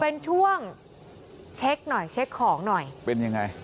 เป็นช่วงเช็คหน่อยเช็คของหน่อยเป็นยังไง